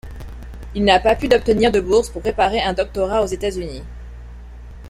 Il n’a pas pu d’obtenir de bourse pour préparer un doctorat aux États-Unis.